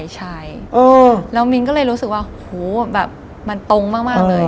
ใช่แล้วมิ้นก็เลยรู้สึกว่าโหแบบมันตรงมากเลย